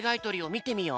みてみよう。